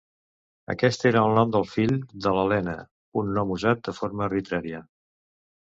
Aquest era el nom del fill de l’Elena; un nom usat de forma arbitrària.